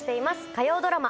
火曜ドラマ